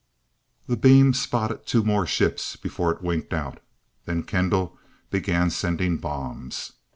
The beam spotted two more ships before it winked out. Then Kendall began sending bombs.